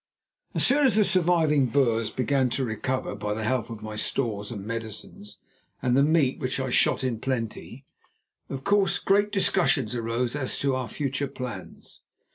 So soon as the surviving Boers began to recover by the help of my stores and medicines and the meat which I shot in plenty, of course great discussions arose as to our future plans.